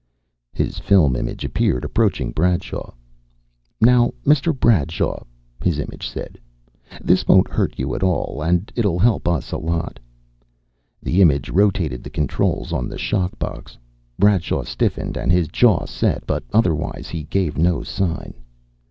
His film image appeared, approaching Bradshaw. "Now, Mr. Bradshaw," his image said, "this won't hurt you at all, and it'll help us a lot." The image rotated the controls on the shock box. Bradshaw stiffened, and his jaw set, but otherwise he gave no sign.